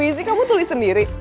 ini puisi kamu tulis sendiri